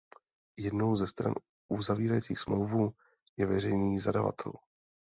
Jednou ze stran uzavírající smlouvu je veřejný zadavatel.